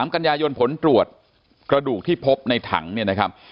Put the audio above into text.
กันยายนผลตรวจกระดูกที่พบในถังเนี่ยนะครับ